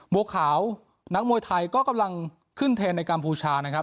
บัวขาวนักมวยไทยก็กำลังขึ้นเทนในกัมพูชานะครับ